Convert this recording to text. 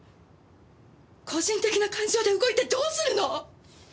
個人的な感情で動いてどうするの！